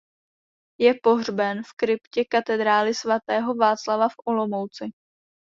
Je pohřben v kryptě katedrály svatého Václava v Olomouci.